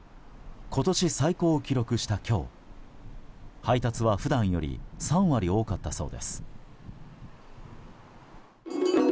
今年最高を記録した今日配達は普段より３割多かったそうです。